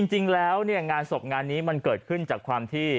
จริงแล้วเนี่ยงานศพงานนี้มันเกิดขึ้นจากความที่